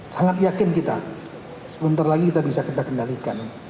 sangat yakin kita sebentar lagi kita bisa kita kendalikan